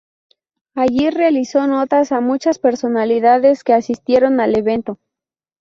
Allí, realizó notas a muchas personalidades que asistieron al evento.